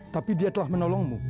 tapi dia telah menolongmu